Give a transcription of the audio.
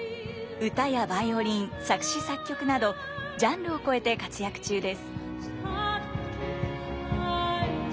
歌やバイオリン作詞作曲などジャンルを超えて活躍中です。